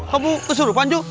kamu kesurupan jo